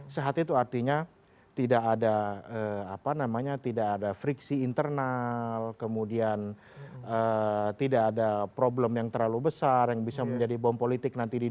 sehat itu artinya tidak ada apa namanya tidak ada friksi internal kemudian tidak ada problem yang terlalu besar yang bisa menjadi bom politik nanti di dua ribu dua